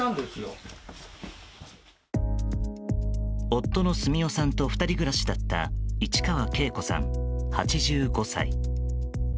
夫の澄夫さんと２人暮らしだった市川敬子さん、８５歳。